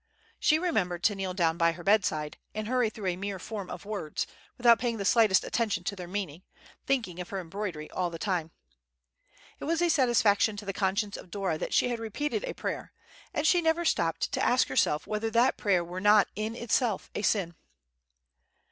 She remembered to kneel down by her bedside and hurry through a mere form of words, without paying the slightest attention to their meaning, thinking of her embroidery all the time. It was a satisfaction to the conscience of Dora that she had repeated a prayer, and she never stopped to ask herself whether that prayer were not in itself a sin.